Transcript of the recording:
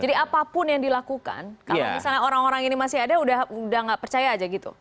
jadi apapun yang dilakukan kalau misalnya orang orang ini masih ada sudah tidak percaya saja gitu